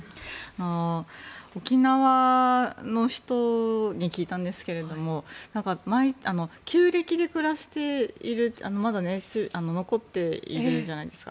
沖縄の人に聞いたんですが旧暦で暮らしているまだ残っているじゃないですか。